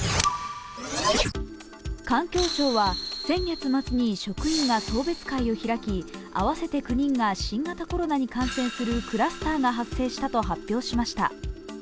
環境省は先月末に職員が送別会を開き合わせて９人が新型コロナに感染するクラスターが発生したと発表しました。